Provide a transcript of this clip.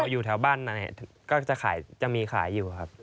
อยู่แถวบ้านในก็จะมีขายอยู่ครับ